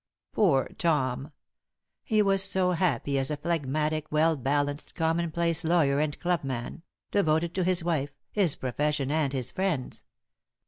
Poor Tom! He was so happy as a phlegmatic, well balanced, common place lawyer and clubman, devoted to his wife, his profession and his friends!